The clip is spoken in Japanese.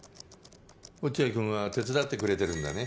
落合君は手伝ってくれてるんだね